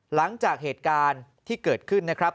หลังจากเหตุการณ์ที่เกิดขึ้นนะครับ